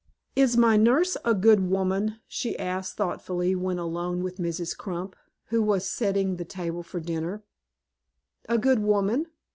"Is my nurse a good woman?" she asked, thoughtfully, when alone with Mrs. Crump, who was setting the table for dinner. "A good woman!